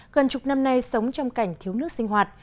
gần chục năm nay sống trong cảnh thiếu nước sinh hoạt